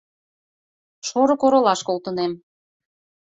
Шорык оролаш колтынем.